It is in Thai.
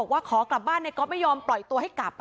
ว่าขอกลับบ้านในก๊อฟไม่ยอมปล่อยตัวให้กลับ